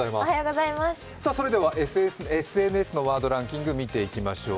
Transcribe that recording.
それではＳＮＳのワードランキング見ていきましょう。